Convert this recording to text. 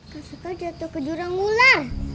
kasih kau jatuh ke jurang gula